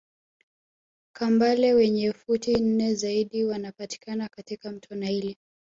Kambale wenye futi nne zaidi wanapatikana katika mto naili